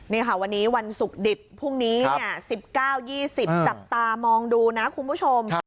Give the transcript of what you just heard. นี่ค่ะวันนี้วันศุกร์ดิบพรุ่งนี้๑๙๒๐จับตามองดูนะคุณผู้ชม